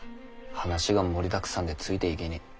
話が盛りだくさんでついていげねぇ。